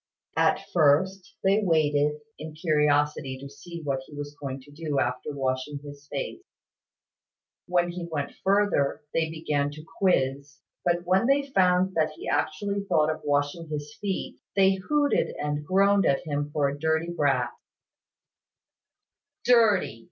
At first, they waited, in curiosity to see what he was going to do after washing his face; when he went further, they began to quiz; but when they found that he actually thought of washing his feet, they hooted and groaned at him for a dirty brat. "Dirty!"